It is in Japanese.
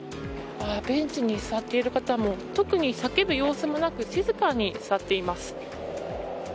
ベンチに座っている方も特に叫ぶ様子もなく静かに座っています。